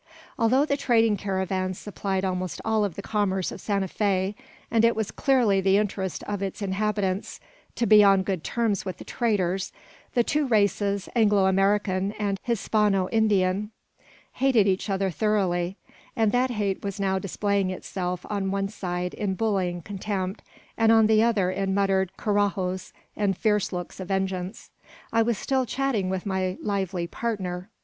Although the trading caravans supplied almost all the commerce of Santa Fe, and it was clearly the interest of its inhabitants to be on good terms with the traders, the two races, Anglo American and Hispano Indian, hated each other thoroughly; and that hate was now displaying itself on one side in bullying contempt, on the other in muttered carrajos and fierce looks of vengeance. I was still chatting with my lively partner.